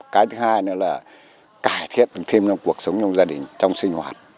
cái thứ hai nữa là cải thiện thêm trong cuộc sống trong gia đình trong sinh hoạt